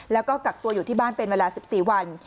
แล้วก็กักตัวอยู่ที่บ้านเป็นเวลา๑๔วัน